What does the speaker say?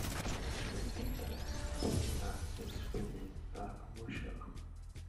That's ridiculous, we're just filming a commercial.